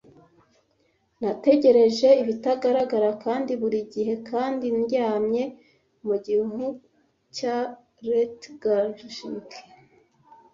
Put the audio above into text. Nategereje ibitagaragara kandi buri gihe, kandi ndyamye mu gihu cya lethargic,